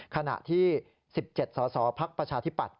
ขณะที่๑๗สาวภักดิ์ประชาธิบัติ